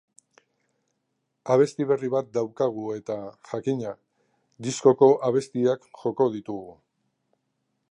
Abesti berri bat daukagu eta, jakina, diskoko abestiak joko ditugu.